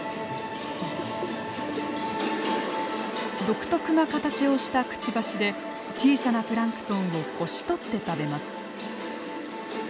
独特な形をしたくちばしで小さなプランクトンをこしとって食べます。